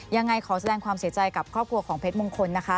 ยังไงขอแสดงความเสียใจกับครอบครัวของเพชรมงคลนะคะ